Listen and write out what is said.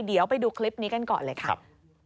เดี๋ยวไปดูคลิปนี้กันก่อนเลยครับ